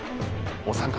お三方